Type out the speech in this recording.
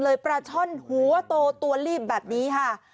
ปลาช่อนหัวโตตัวลีบแบบนี้ค่ะ